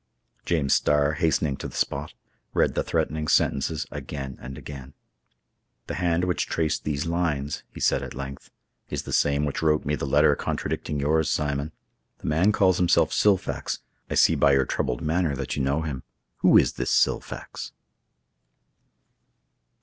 James Starr, hastening to the spot, read the threatening sentences again and again. "The hand which traced these lines," said he at length, "is the same which wrote me the letter contradicting yours, Simon. The man calls himself Silfax. I see by your troubled manner that you know him. Who is this Silfax?"